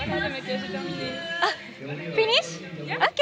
フィニッシュ？ＯＫ！